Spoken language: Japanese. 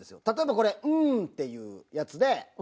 例えばこれ「んー」っていうやつで。